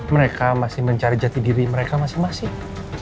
mereka masih mencari jati diri mereka masing masing